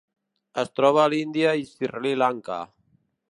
Es troba a l'Índia i Sri Lanka.